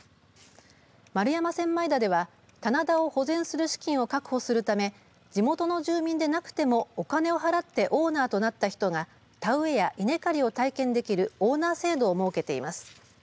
丸山千枚田では棚田を保全する資金を確保するため地元の住民でなくともお金を払ってオーナーとなった人が田植えや稲刈りを体験できるオーナー制度を設けています。